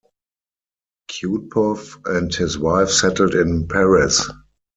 Kutepov and his wife settled in Paris.